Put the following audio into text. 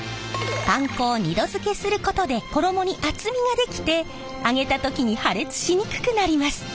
パン粉を２度づけすることで衣に厚みが出来て揚げた時に破裂しにくくなります。